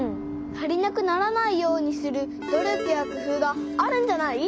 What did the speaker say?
足りなくならないようにする努力やくふうがあるんじゃない？